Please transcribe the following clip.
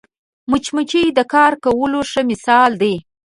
مچمچۍ د کار کولو ښه مثال دی